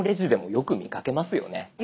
よく見かけます。